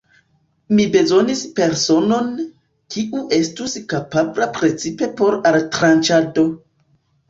Mi bezonis personon, kiu estus kapabla precipe por altranĉado.